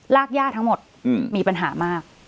รากย่าทั้งหมดมีปัญหามาก